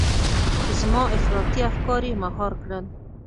چې زما افراطي افکار يې مهار کړل.